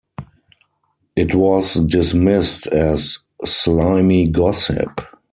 It was dismissed as "slimy gossip".